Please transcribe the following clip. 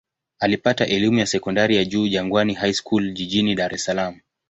Alipata elimu ya sekondari ya juu Jangwani High School jijini Dar es Salaam.